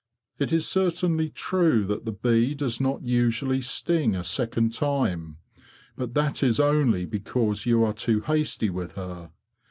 It is certainly true that the bee does not usually sting a second time, but that is only because you are too hasty with her.